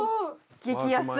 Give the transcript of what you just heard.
激安！